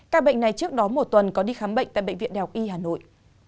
các bệnh này trước đó một tuần có đi khám bệnh tại bệnh viện đèo y hà nội